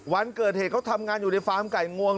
วันเกิดเหตุเขาทำงานอยู่ในฟาร์มไก่งวง